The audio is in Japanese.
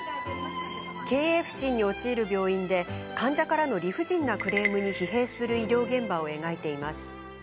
経営不振に陥る病院で患者からの理不尽なクレームに疲弊する医療現場を描いています。